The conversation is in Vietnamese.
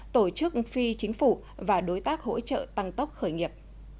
tổ chức phi chính phủ và đối tác hỗ trợ tăng tốc khởi nghiệp